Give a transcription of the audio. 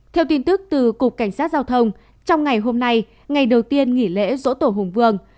theo tin tức từ cục cảnh sát giao thông trong ngày hôm nay ngày đầu tiên nghỉ lễ dỗ tổ hùng vương